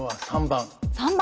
３番。